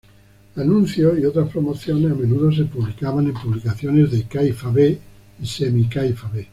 Anuncios y otras promociones a menudo se publicaban en publicaciones de "kayfabe" y semi-"kayfabe".